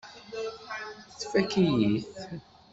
Tfakk-iyi-t.